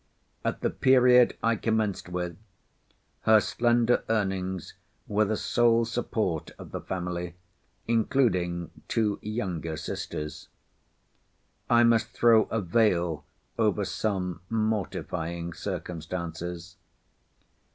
At the period I commenced with, her slender earnings were the sole support of the family, including two younger sisters. I must throw a veil over some mortifying circumstances.